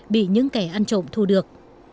bị những kẻ ăn trộm thu được